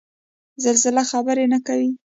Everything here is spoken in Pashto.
زلزله خبر نه کوي